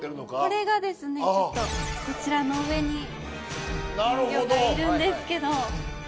これがですねちょっとこちらの上に金魚がいるんですけど。